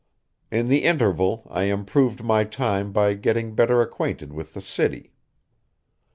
In the interval I improved my time by getting better acquainted with the city.